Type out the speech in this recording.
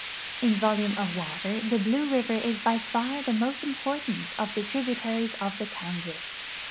In volume of water the Blue river is by far the most important of the tributaries of the Kansas.